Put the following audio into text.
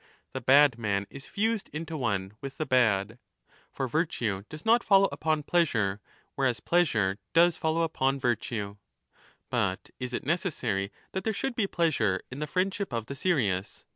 ' The bad man is fused into one with the bad.' ^ For virtue does not follow upon pleasure, whereas pleasure does follow upon virtue. But is it necessary that there should be pleasure in the friendship of the serious